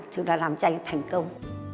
thì là làm tranh thành công